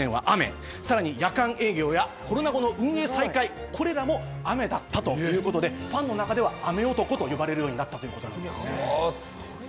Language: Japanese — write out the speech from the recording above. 夜間営業やコロナ後の運営再開も雨だったということで、ファンの中では雨男と呼ばれるようになったんです。